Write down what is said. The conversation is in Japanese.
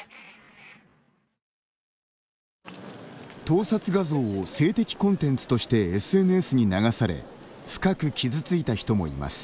盗撮画像を性的コンテンツとしてＳＮＳに流され深く傷ついた人もいます。